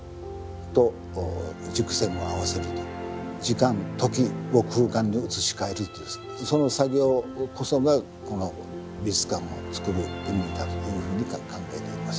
時間時を空間に移し替えるというその作業こそがこの美術館をつくる意味だというふうに考えています。